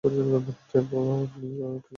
ভাই, আপনিই কিছু বলুন।